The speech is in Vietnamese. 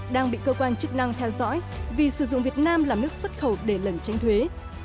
đang bị cơ quan chức năng theo dõi vì sử dụng việt nam làm nước xuất khẩu để lần tranh thuế